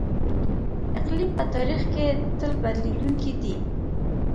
اقلیم په تاریخ کې تل بدلیدونکی دی.